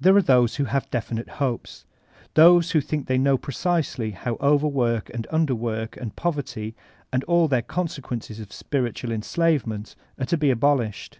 There are those who have definite hopes; those who think diey know precisely how overwork and underwork and poverty, and aO their consequences of spiritual en* sbvement, are to be abolished.